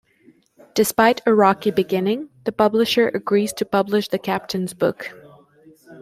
Despite a rocky beginning, the publisher agrees to publish the Captain's book.